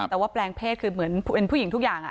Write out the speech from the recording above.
แต่ว่าแปลงเพศคือเหมือนเป็นผู้หญิงทุกอย่าง